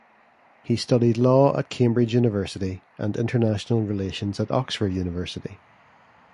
He studied Law at Cambridge University and International Relations at Oxford University.